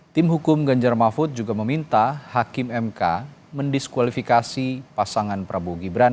tim hukum ganjar mahfud juga meminta hakim mk mendiskualifikasi pasangan prabowo gibran